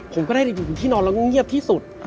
ผมก็ได้อยู่ที่นอนแล้วก็เงียบที่สุด